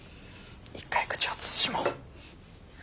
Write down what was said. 一回口を慎もう。